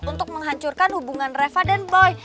untuk menghancurkan hubungan reva dan boy